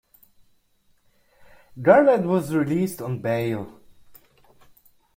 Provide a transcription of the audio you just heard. Garland was released on bail.